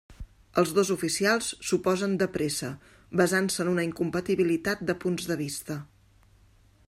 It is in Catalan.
Els dos oficials s'oposen de pressa basant-se en una incompatibilitat de punts de vista.